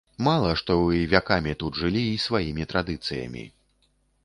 Мала, што вы вякамі тут жылі і сваімі традыцыямі.